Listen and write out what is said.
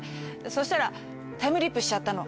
そしたらタイムリープしちゃったの。